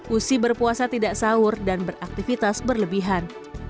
usi berpuasa tidak sahur dan beraktivitas berlebihan